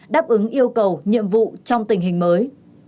đáp ứng yêu cầu nhiệm vụ trong tình hình mới